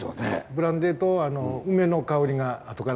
ブランデーと梅の香りがあとからくると。